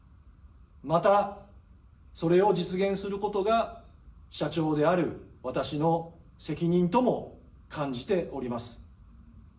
また、それを実現することが社長である私の責任とも感じております。